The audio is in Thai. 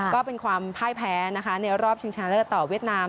ก็เป็นความพ่ายแพ้นะคะในรอบชิงชนะเลิศต่อเวียดนาม